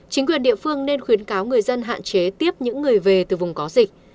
chính quyền địa phương nên khuyến cáo người dân hạn chế tiếp những người về từ vùng có dịch